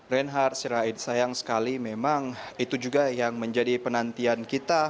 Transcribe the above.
reinhard sirait sayang sekali memang itu juga yang menjadi penantian kita